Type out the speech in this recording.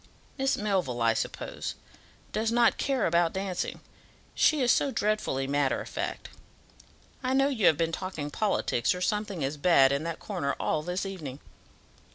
Miss Melville, I suppose, does not care about dancing, she is so dreadfully matter of fact. I know you have been talking politics, or something as bad, in that corner all this evening."